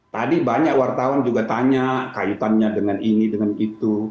tadi banyak wartawan juga tanya kaitannya dengan ini dengan itu